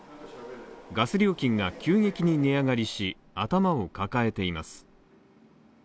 ガス料金が急激に値上がりし、頭を抱えています。